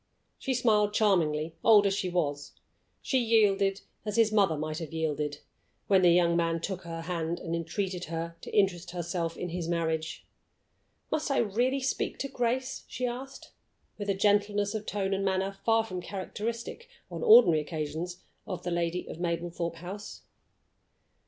She smiled charmingly, old as she was she yielded as his mother might have yielded when the young man took her hand and entreated her to interest herself in his marriage. "Must I really speak to Grace?" she asked, with a gentleness of tone and manner far from characteristic, on ordinary occasions, of the lady of Mablethorpe House.